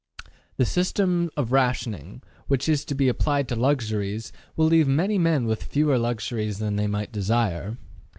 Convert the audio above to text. The system of rationing, which is to be applied to luxuries, will leave many men with fewer luxuries than they might desire.